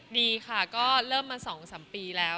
ดีค่ะก็เริ่มมาสองสามปีแล้ว